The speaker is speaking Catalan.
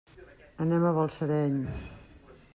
Anem a Balsareny.